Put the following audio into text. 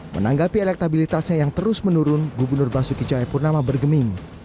menanggapi elektabilitasnya yang terus menurun gubernur basuki cahayapurnama bergeming